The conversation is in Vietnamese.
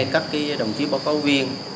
các đồng chí báo cáo viên